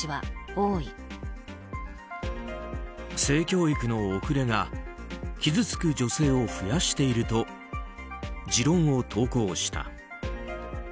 性教育の遅れが傷つく女性を増やしていると持論を投稿した。